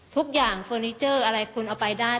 ทุกอย่างเฟอร์นิเจอร์อะไรคุณเอาไปได้